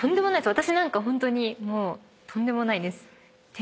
私なんかホントにもうとんでもないです。